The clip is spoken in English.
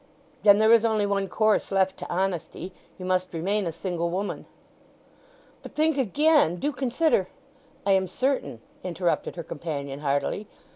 "Then there is only one course left to honesty. You must remain a single woman." "But think again! Do consider——" "I am certain," interrupted her companion hardily.